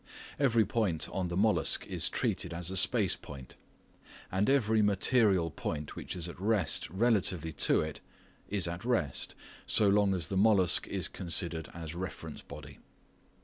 Every point on the mollusc is treated as a space point, and every material point which is at rest relatively to it as at rest, so long as the mollusc is considered as reference body.